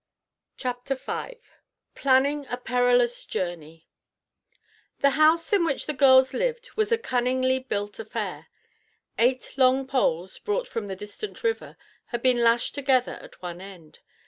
CHAPTER V PLANNING A PERILOUS JOURNEY The house in which the girls lived was a cunningly built affair. Eight long poles, brought from the distant river, had been lashed together at one end.